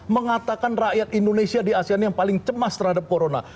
mengatakan rakyat indonesia di asean yang paling cemas terhadap corona